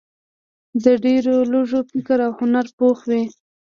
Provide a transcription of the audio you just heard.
د ډېرو لږو فکر او هنر پوخ وي.